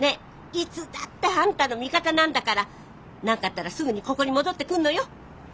いつだってあんたの味方なんだから何かあったらすぐにここに戻ってくるのよ。